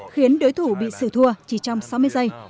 khiến đối thủ bị sự thua chỉ trong sáu mươi giây